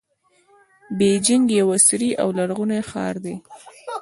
بیجینګ یو عصري او لرغونی ښار دی.